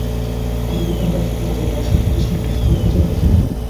অন্য দোকানিরা দ্রুত তাঁদের ব্যবসা প্রতিষ্ঠান বন্ধ করে ভেতরে বসে থাকেন।